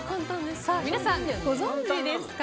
皆さん、ご存じですか？